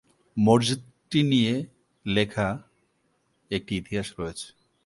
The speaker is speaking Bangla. মসজিদটি নিয়ে লিখা একটি ইতিহাস রয়েছে।